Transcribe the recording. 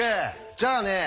じゃあね